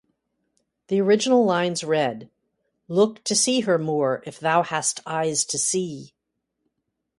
The original lines read, Look to her, Moor, if thou hast eyes to see.